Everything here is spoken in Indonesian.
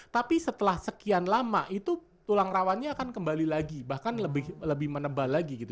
tapi setelah sekian lama itu tulang rawannya akan kembali lagi bahkan lebih menebal lagi gitu